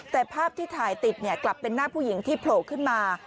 แต่ภาพที่ถ่ายติดกลับเป็นหน้าผู้หญิงที่โผล่ขึ้นมา